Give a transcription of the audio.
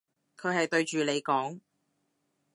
佢係對住你講？